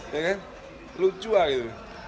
ya kan lucu lah gitu